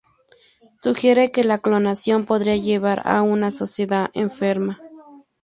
Sugiere que la clonación podría llevar a una sociedad enferma.